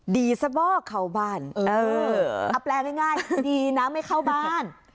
ดีซะบ่อเข้าบ้านเออเอาแปลง่ายดีนะไม่เข้าบ้าน